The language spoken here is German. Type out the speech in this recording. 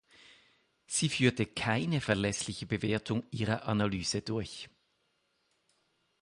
Sie führte keine verlässliche Bewertung ihrer Analyse durch.